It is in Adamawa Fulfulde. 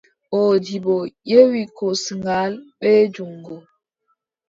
Moodibbo yewi kosngal, bee juŋngo.